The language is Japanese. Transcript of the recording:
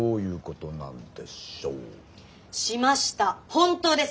本当です！